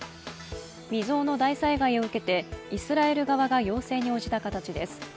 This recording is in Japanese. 未曾有の大災害を受けてイスラエル側が要請に応じた形です。